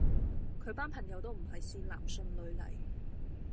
佢班朋友都唔係善男信女嚟